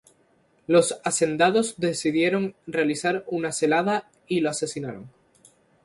Los hacendados decidieron realizar una celada y lo asesinaron.